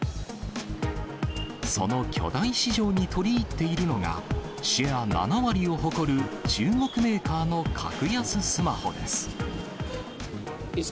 その巨大市場に取り入っているのが、シェア７割を誇る中国メーカーの格安スマホです。